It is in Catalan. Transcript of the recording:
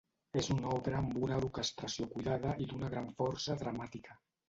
És una obra amb una orquestració cuidada i d'una gran força dramàtica.